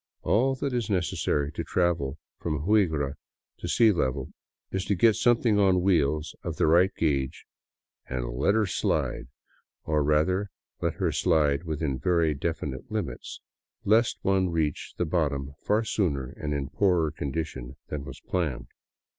All that is necessary to travel from Huigra to sea level is to get something on wheels of the right gage and " let her slide "— or rather, let her slide within very definite limits, lest one reach the bottom far sooner and in poorer condition than was planned.